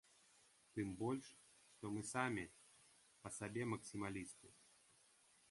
Тым больш, што мы самі па сабе максімалісты.